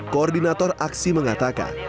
koordinator aksi mengatakan